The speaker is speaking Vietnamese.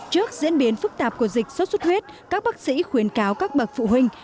trước diễn biến phức tạp của dịch sốt xuất huyết các bác sĩ khuyến cáo các bậc phụ huynh